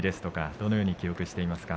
どのように記憶していますか？